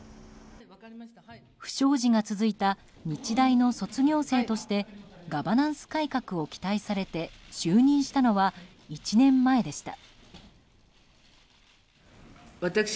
不祥事が続いた日大の卒業生としてガバナンス改革を期待されて就任したのは１年前でした。